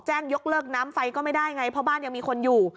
ยกเลิกน้ำไฟก็ไม่ได้ไงเพราะบ้านยังมีคนอยู่